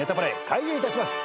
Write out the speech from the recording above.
開演いたします。